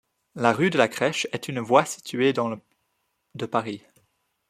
La rue de la Crèche est une voie située dans le de Paris.